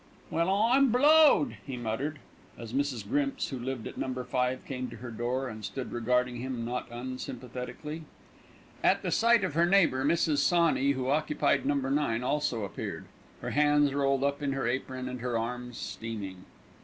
"Well, I'm blowed," he muttered, as Mrs. Grimps, who lived at No. 5, came to her door and stood regarding him not unsympathetically. At the sight of her neighbour, Mrs. Sawney, who occupied No. 9, also appeared, her hands rolled up in her apron and her arms steaming.